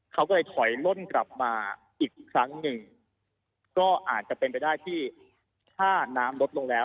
เขาก็เลยถอยล่นกลับมาอีกครั้งหนึ่งก็อาจจะเป็นไปได้ที่ถ้าน้ำลดลงแล้ว